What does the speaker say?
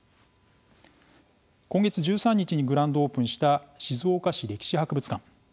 今月１３日にグランドオープンした静岡市歴史博物館。